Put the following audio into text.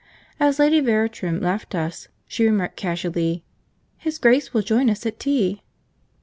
As Lady Veratrum left us, she remarked casually, 'His Grace will join us at tea.'